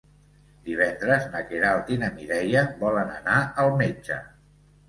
Divendres na Queralt i na Mireia volen anar al metge.